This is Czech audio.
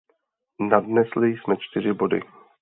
Nadnesli jsme čtyři body.